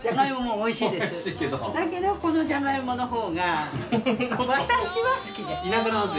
おいしいけど。だけどこのジャガイモのほうが私は好きです。